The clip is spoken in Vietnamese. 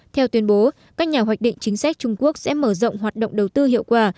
theo tuyên bố các nhà hoạch định chính sách trung quốc sẽ mở rộng hoạt động đầu tư hiệu quả